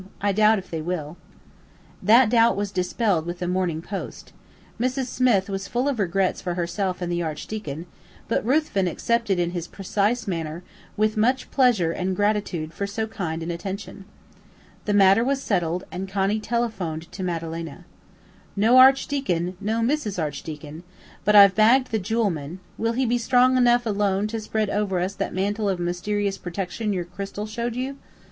I doubt if they will." That doubt was dispelled with the morning post. Mrs. Smith was full of regrets for herself and the Archdeacon, but Ruthven accepted in his precise manner with "much pleasure and gratitude for so kind an attention." The matter was settled, and Connie telephoned to Madalena. "No Archdeacon; no Mrs. Archdeacon! But I've bagged the jewel man. Will he be strong enough alone to spread over us that mantle of mysterious protection your crystal showed you?"